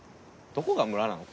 どこが村なの？